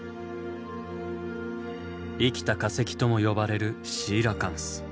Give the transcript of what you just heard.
生きた化石とも呼ばれるシーラカンス。